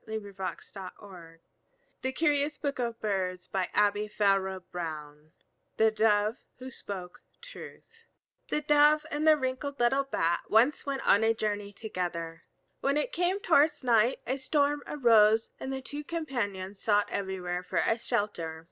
[Illustration: He managed to flutter out of reach] THE DOVE WHO SPOKE TRUTH The Dove and the wrinkled little Bat once went on a journey together. When it came towards night a storm arose, and the two companions sought everywhere for a shelter.